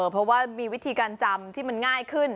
เพราะว่ามีวิธีการจำที่มันง่ายขึ้น